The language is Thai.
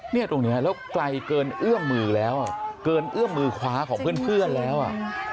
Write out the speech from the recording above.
เนี่ยตรงนี้แล้วไกลเกินเอื้อมมือแล้วอ่ะเกินเอื้อมมือขวาของเพื่อนแล้วอ่ะ